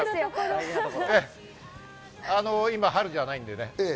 今、春じゃないんでね。